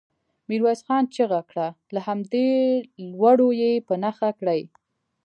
ميرويس خان چيغه کړه! له همدې لوړو يې په نښه کړئ.